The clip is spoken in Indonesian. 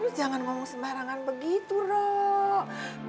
terus jangan ngomong sembarangan begitu rok